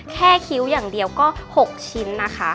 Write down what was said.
คิ้วอย่างเดียวก็๖ชิ้นนะคะ